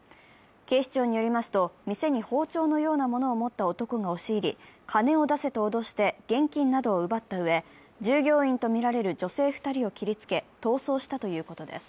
警視庁によりますと店に包丁のようなものを持った男が押し入り金を出せと脅して、現金などを奪ったうえ、従業員とみられる女性２人を切りつけ逃走したということです。